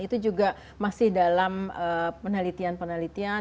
itu juga masih dalam penelitian penelitian